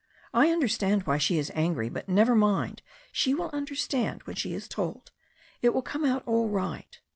I under stand why she is angry. But never mind, she will under stand when she is told. It will come out all right."